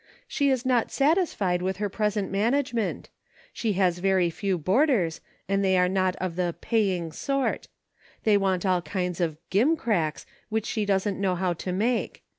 She is not satisfied with her present management ; she has very few boarders, and they are not of the 'paying sort.' They want all kinds of 'gimcracks' which she doesn't know how to make.